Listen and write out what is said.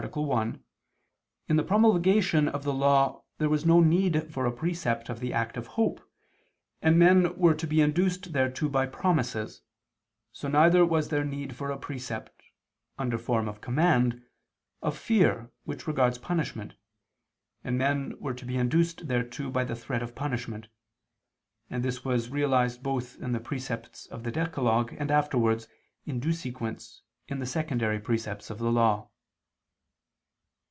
1), in the promulgation of the Law there was no need for a precept of the act of hope, and men were to be induced thereto by promises, so neither was there need for a precept, under form of command, of fear which regards punishment, and men were to be induced thereto by the threat of punishment: and this was realized both in the precepts of the decalogue, and afterwards, in due sequence, in the secondary precepts of the Law.